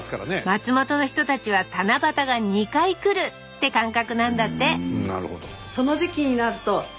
松本の人たちは七夕が２回来る！って感覚なんだってなるほど。